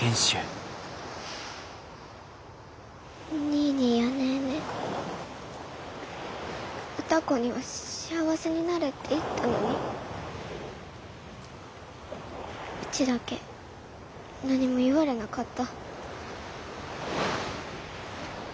ニーニーやネーネー歌子には「幸せになれ」って言ったのにうちだけ何も言われなかった。